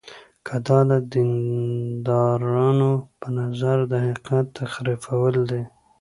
که دا د دیندارانو په نظر د حقیقت تحریفول دي.